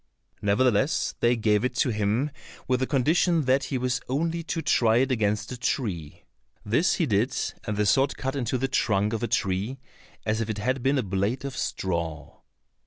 Nevertheless they gave it to him with the condition that he was only to try it against a tree. This he did, and the sword cut in two the trunk of a tree as if it had been a blade of straw.